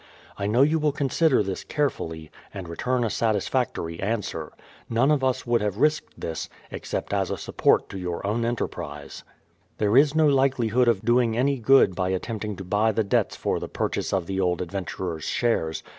THE PLYMOUTH SETTLEIVIENT 209 I know you will consider this carefully, and return a satisfactory answer. None of us woud have risked this, except as a support to your own enterprise. There is no likeUhood of doing any good by attempting to buy the debts for the purchase of the old adventurer's shares.